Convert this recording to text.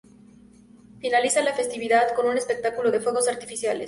Finaliza la Festividad, con un espectáculo de Fuegos Artificiales.